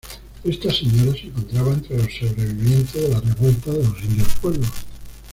Esta señora se encontraba entre los sobrevivientes de la Revuelta de los indios pueblo.